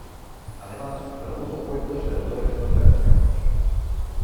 Además, tradujo cuentos de autores norteamericanos.